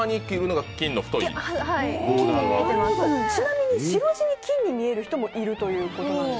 ちなみに白地に金に見える人もいるということです。